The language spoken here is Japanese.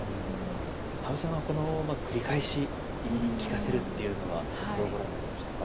羽生さんはこの繰り返し言い聞かせるっていうのはどうご覧になりましたか？